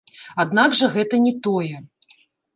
Аднак жа гэта не тое.